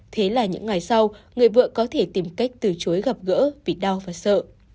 thế là những ngày sau người vợ có thể tìm cách từ chối gặp gỡ vì đau và sợ